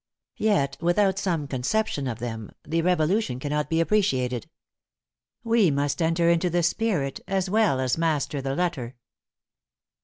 Yet without some conception of them, the Revolution cannot be appreciated. We must enter into the spirit, as well as master the letter.